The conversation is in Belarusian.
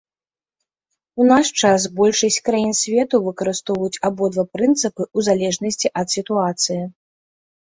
У наш час большасць краін свету выкарыстоўваюць абодва прынцыпы ў залежнасці ад сітуацыі.